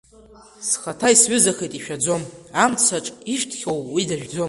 Схаҭа исҩызахеит ишәаӡом, амцаҿ ишәҭхьоу уи дажәӡом.